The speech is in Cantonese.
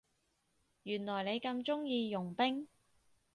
原來你咁鍾意傭兵